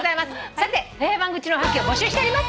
さて不平不満愚痴のおはがきを募集しております。